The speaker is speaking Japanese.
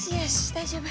大丈夫？